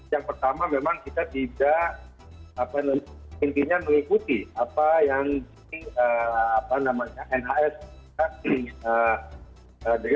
yang pertama memang kita tidak apa namanya intinya mengikuti apa yang di apa namanya